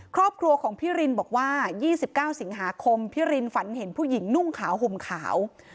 ครอบครัวของพี่รินบอกว่า๒๙สิงหาคมพี่รินฝันเห็นผู้หญิงนุ่งขาวห่มขาว